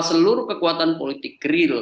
seluruh kekuatan politik real